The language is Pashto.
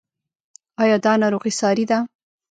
ایا دا ناروغي ساری ده؟